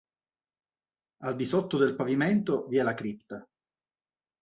Al di sotto del pavimento vi è la cripta.